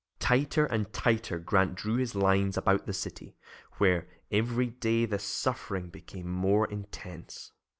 Tighter and tighter Grant drew his lines about the city, where, every day, the suffering became more intense.